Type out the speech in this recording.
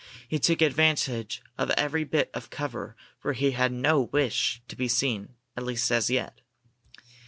He took advantage of every bit of cover for he had no wish to be seen, at least as yet.